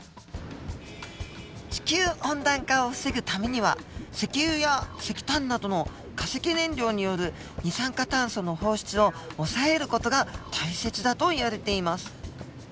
地球温暖化を防ぐためには石油や石炭などの化石燃料による二酸化炭素の放出を抑える事が大切だといわれています。